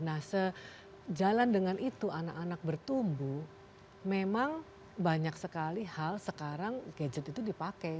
nah sejalan dengan itu anak anak bertumbuh memang banyak sekali hal sekarang gadget itu dipakai